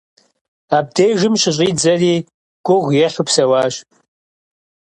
Абдежым щыщӀидзэри гугъу ехьу псэуащ.